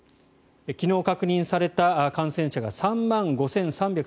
昨日確認された感染者が３万５３３９人